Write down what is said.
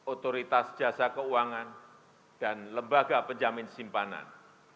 otoritas jasa keuangan dan lembaga penjamin simpanan